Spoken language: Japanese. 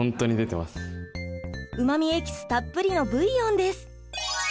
うまみエキスたっぷりのブイヨンです。